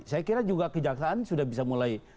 saya kira juga kejaksaan sudah bisa mulai